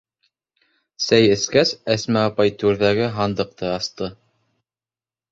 Сәй эскәс, Әсмә апай түрҙәге һандыҡты асты.